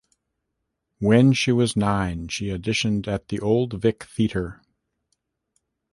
When she was nine, she auditioned at the Old Vic Theatre.